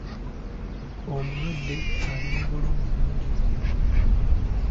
Omulwadde ali mu bulumi bungi nnyo.